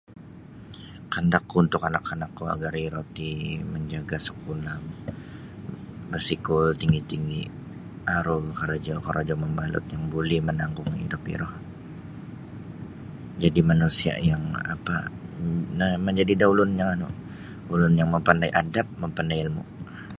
Kahandakku untuk anak-anak kuo agar iro ti menjaga skula basikul tinggi-tinggi aru makarojo korojo mabalut yang buli menanggung hidup iro jadi manusia yang apa menjadi da ulun yang anu ulun yang mapandai adap mapandai ilmu.